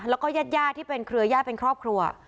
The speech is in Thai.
แล้วก็ญาติที่เป็นเครือญาติเป็นครอบครัว